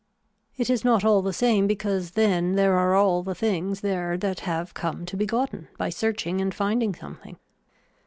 It is not all the same because then there are all the things there that have come to be gotten by searching and finding something.